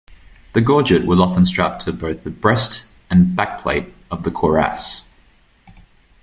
The gorget was often strapped to both the breast and backplate of the cuirass.